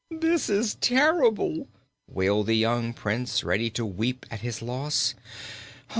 "This is terrible!" wailed the young Prince, ready to weep at his loss.